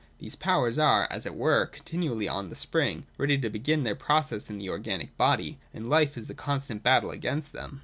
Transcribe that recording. These powers are, as it were, continually on the spring, ready to begin their process in the organic body ; and hfe is the constant battle against them.